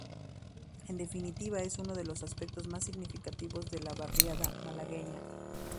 En definitiva, es uno de los aspectos más significativos de la barriada malagueña.